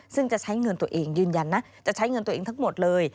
ซึ่งจะใช้เงินตัวเองยืนยันนะจะใช้เงินตัวเองทั้งหมดเลย